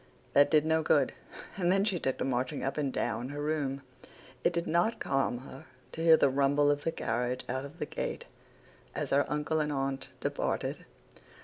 That did no good, and then she took to marching up and down her room. It did not calm her to hear the rumble of the carriage out of the gate as her uncle and aunt departed.